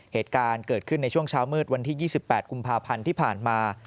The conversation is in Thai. เหตุการณ์เกิดขึ้นในช่วงเช้ามืดวันที่๒๘กุมภาพันธ์ที่ผ่านมา